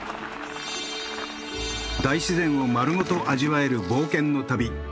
大自然を丸ごと味わえる冒険の旅。